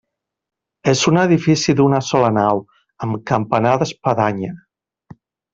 És un edifici d'una sola nau, amb campanar d'espadanya.